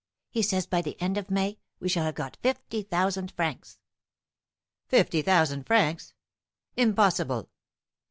He says, by the end of May, we shall have got fifty thousand francs." "Fifty thousand francs! Impossible!"